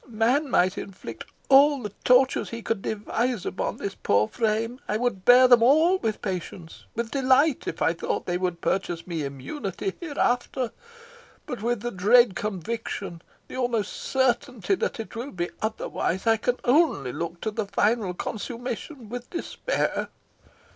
Man might inflict all the tortures he could devise upon this poor frame. I would bear them all with patience, with delight, if I thought they would purchase me immunity hereafter! But with the dread conviction, the almost certainty, that it will be otherwise, I can only look to the final consummation with despair!"